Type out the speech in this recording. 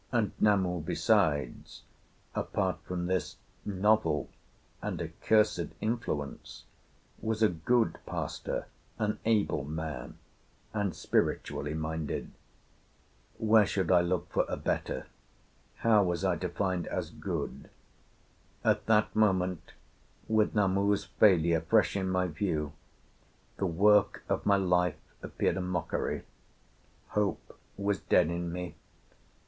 And Namu besides, apart from this novel and accursed influence, was a good pastor, an able man, and spiritually minded. Where should I look for a better? How was I to find as good? At that moment, with Namu's failure fresh in my view, the work of my life appeared a mockery; hope was dead in me.